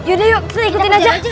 yaudah yuk saya ikutin aja